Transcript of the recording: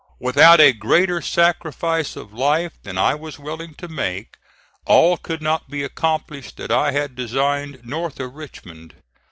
Without a greater sacrifice of life than I was willing to make, all could not be accomplished that I had designed north of Richmond.